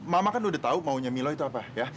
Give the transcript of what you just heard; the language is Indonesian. mama kan udah tahu maunya milo itu apa ya